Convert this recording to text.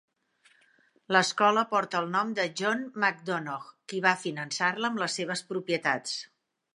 L'escola porta el nom de John McDonogh, qui va finançar-la amb les seves propietats.